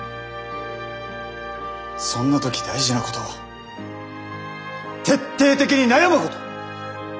そんな時大事なことは徹底的に悩むこと。